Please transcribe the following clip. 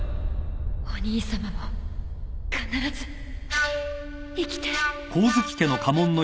お兄さまも必ず生きて！